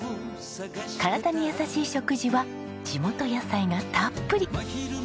体に優しい食事は地元野菜がたっぷり。